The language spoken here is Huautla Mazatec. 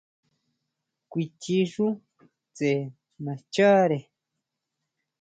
Kuichi xú tse nascháʼre.